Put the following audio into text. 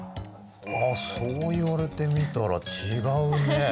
あそう言われてみたら違うね。